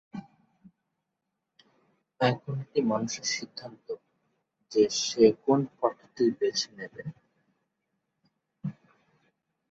এখন এটি মানুষের সিদ্ধান্ত যে সে কোন পথটি বেছে নেবে।